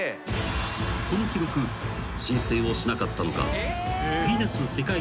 ［この記録申請をしなかったのか］